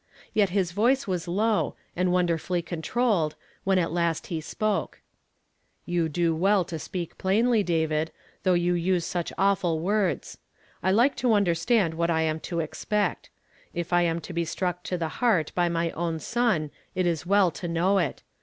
Yet his voice was low, and wonderfully controlled, when at last he spoke :" You do well to speak plainly, David, though you use such awful words. I like to undei stand what I am to expect. If I am to be struck to the heart by my own son it is well to know it.